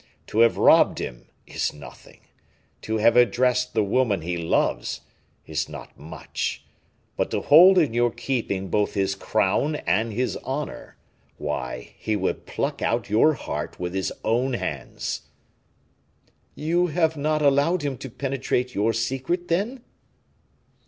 To have robbed him, is nothing; to have addressed the woman he loves, is not much; but to hold in your keeping both his crown and his honor, why, he would pluck out your heart with his own hands." "You have not allowed him to penetrate your secret, then?"